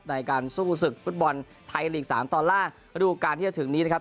ในการสู้ศึกฟุตบอลไทยลีก๓ตอนล่างฤดูการที่จะถึงนี้นะครับ